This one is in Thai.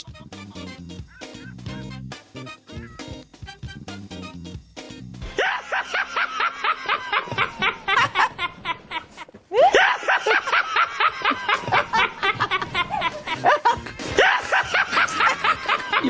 ย้าฮ่าฮ่าฮ่า